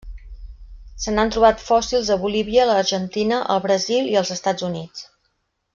Se n'han trobat fòssils a Bolívia, l'Argentina, el Brasil i els Estats Units.